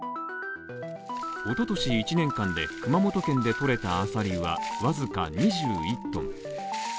おととし１年間で熊本県でとれたアサリは僅か２１ｔ。